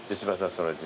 それで。